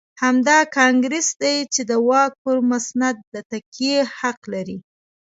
همدا کانګرېس دی چې د واک پر مسند د تکیې حق لري.